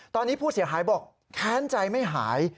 ตอนนี้ผู้เสียหายบอกแค้นใจไม่หาย